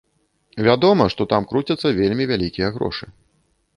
Вядома, што там круцяцца вельмі вялікія грошы.